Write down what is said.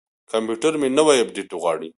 کمپیوټر مې نوی اپډیټ غواړي.